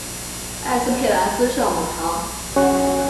埃斯佩兰斯圣母堂。